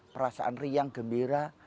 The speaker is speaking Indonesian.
perasaan riang gembira